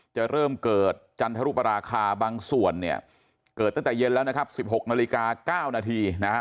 จะเริ่มเกิดจันทรุปราคาบางส่วนเนี่ยเกิดตั้งแต่เย็นแล้วนะครับ๑๖นาฬิกา๙นาทีนะครับ